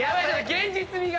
現実味が。